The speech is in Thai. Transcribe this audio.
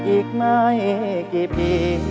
อีกไม่กี่ปี